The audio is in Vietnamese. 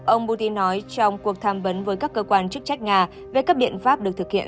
ông putin nói trong cuộc tham vấn với các cơ quan chức trách nga về các biện pháp được thực hiện